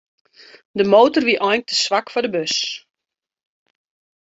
De motor wie eink te swak foar de bus.